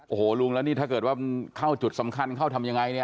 โอ้โหลุงแล้วนี่ถ้าเกิดว่ามันเข้าจุดสำคัญเข้าทำยังไงเนี่ย